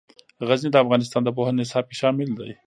غزني د افغانستان د پوهنې نصاب کې شامل دي.